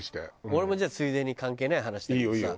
俺もじゃあついでに関係ない話だけどさ。